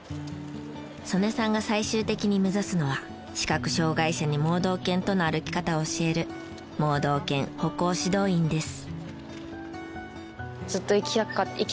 曽根さんが最終的に目指すのは視覚障害者に盲導犬との歩き方を教える盲導犬歩行指導員です。